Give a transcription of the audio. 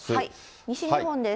西日本です。